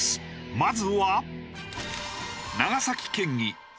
まずは。